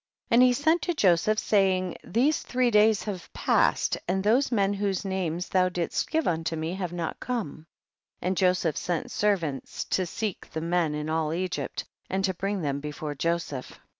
15. And he sent to Joseph, saying, these three days have passed, and those men whose names thou didst give unto me have not come ; and Joseph sent servants to seek the men in all Egypt, and to bring them before Joseph.